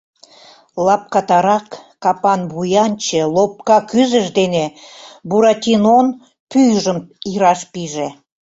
Лапкатарак капан вуянче лопка кӱзыж дене Буратинон пӱйжым ираш пиже.